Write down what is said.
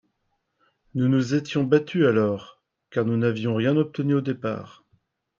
Nous nous étions battus alors, car nous n’avions rien obtenu au départ.